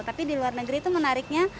tapi di luar negeri itu menariknya